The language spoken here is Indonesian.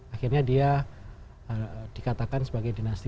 akhirnya dia dikatakan sebagai dinasti